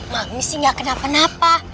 mami sih gak kena penapa